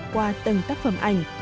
qua từng tác phẩm ảnh